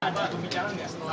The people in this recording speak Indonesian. apa tentang pak nyala